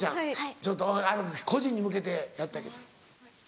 ちょっと個人に向けてやってあげて。